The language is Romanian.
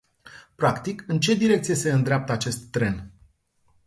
Practic, în ce direcție se îndreaptă acest tren?